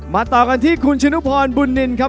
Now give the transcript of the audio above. ต่อกันที่คุณชนุพรบุญนินครับ